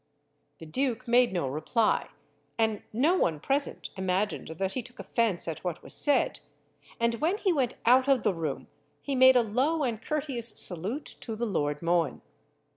The duke made no reply, and no one present imagined that he took offence at what was said; and when he went out of the room he made a low and courteous salute to the Lord Mohun.